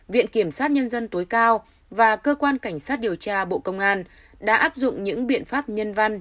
viện kiểm sát nhân dân tối cao và cơ quan cảnh sát điều tra bộ công an đã áp dụng những biện pháp nhân văn